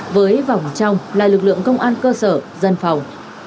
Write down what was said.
với vòng trong là lực lượng công an cơ sở dân phòng